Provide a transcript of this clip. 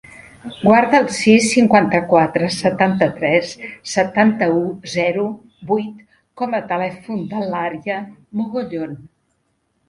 Guarda el sis, cinquanta-quatre, setanta-tres, setanta-u, zero, vuit com a telèfon de l'Ària Mogollon.